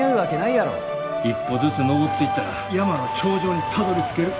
一歩ずつ登っていったら山の頂上にたどりつける。